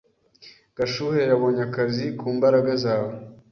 Gashuhe yabonye akazi ku mbaraga zawe.